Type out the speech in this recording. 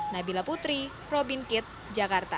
nabila putri robin kitt jakarta